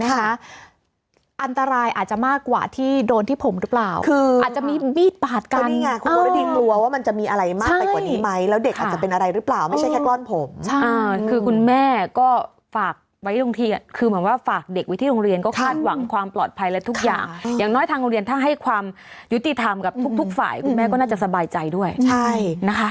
ก็ฝากไว้ตรงทีอ่ะคือเหมือนว่าฝากเด็กไว้ที่โรงเรียนก็คาดหวังความปลอดภัยและทุกอย่างอย่างน้อยทางโรงเรียนถ้าให้ความยุติธรรมกับทุกทุกฝ่ายคุณแม่ก็น่าจะสบายใจด้วยใช่นะคะ